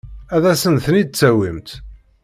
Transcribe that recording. Ad asen-ten-id-tawimt?